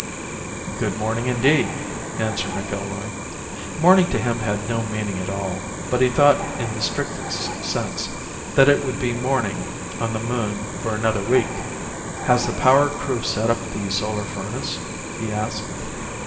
"Good morning indeed," answered McIlroy. Morning to him had no meaning at all, but he thought in the strictest sense that it would be morning on the Moon for another week. "Has the power crew set up the solar furnace?" he asked.